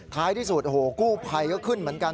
ท้ายที่สุดโอ้โหกู้ภัยก็ขึ้นเหมือนกัน